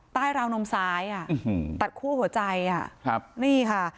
ใต้ราวนมซ้ายอ่ะอื้อหือตัดคั่วหัวใจอ่ะครับนี่ค่ะ